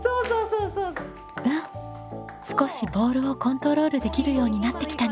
うん少しボールをコントロールできるようになってきたね。